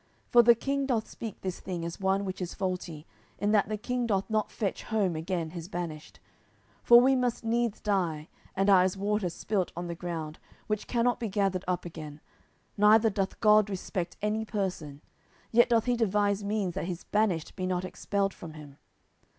for the king doth speak this thing as one which is faulty, in that the king doth not fetch home again his banished. 10:014:014 For we must needs die, and are as water spilt on the ground, which cannot be gathered up again; neither doth God respect any person: yet doth he devise means, that his banished be not expelled from him.